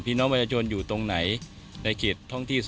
พี่นมคอยอยู่ตรงไหนในกริตทั้งที่ส